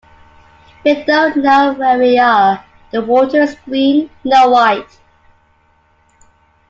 We don't know where we are, the water is green, no white.